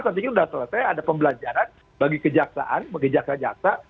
saya pikir sudah selesai ada pembelajaran bagi kejaksaan bagi jaksa jaksa